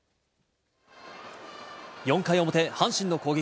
４回表、阪神の攻撃。